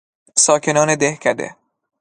ساکنان دهکده